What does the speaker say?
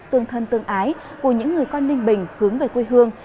tương thân tương ái của những người con ninh bình hướng về quê hương